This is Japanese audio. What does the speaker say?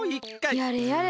やれやれ。